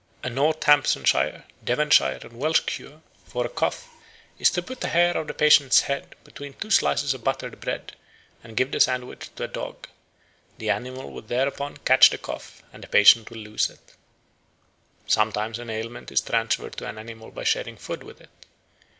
A Northamptonshire, Devonshire, and Welsh cure for a cough is to put a hair of the patient's head between two slices of buttered bread and give the sandwich to a dog. The animal will thereupon catch the cough and the patient will lose it. Sometimes an ailment is transferred to an animal by sharing food with it.